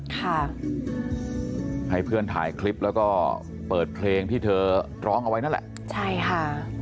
ค่ะให้เพื่อนถ่ายคลิปแล้วก็เปิดเพลงที่เธอร้องเอาไว้นั่นแหละใช่ค่ะ